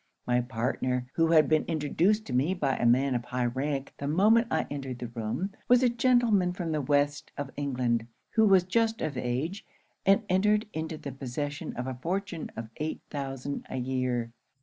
My partner, who had been introduced to me by a man of high rank the moment I entered the room, was a gentleman from the West of England, who was just of age, and entered into the possession of a fortune of eight thousand a year.